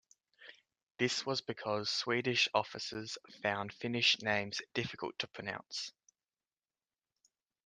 This was because Swedish officers found Finnish names difficult to pronounce.